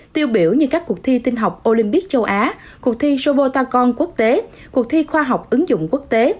tiêu biểu như các cuộc thi tinh học olympic châu á cuộc thi sobotacon quốc tế cuộc thi khoa học ứng dụng quốc tế